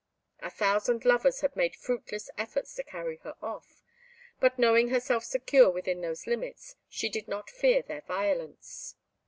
A thousand lovers had made fruitless efforts to carry her off; but knowing herself secure within those limits, she did not fear their violence.